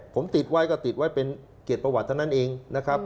ผมติดไว้ก็ติดไว้เป็นเกียรติประวัติเท่านั้นเองนะครับ